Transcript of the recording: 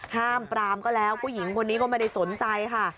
ห้ามปรามก็แล้วผู้หญิงคนนี้ก็ไม่ได้สนใจค่ะ